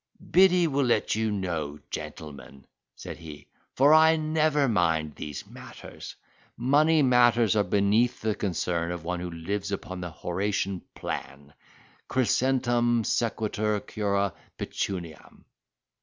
"Biddy will let you know, gentlemen," said he; "for I never mind these matters. Money matters are beneath the concern of one who lives upon the Horatian plan—Crescentum sequitur cura pecuniam."